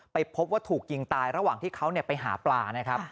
พบว่าถูกยิงตายระหว่างที่เขาไปหาปลานะครับ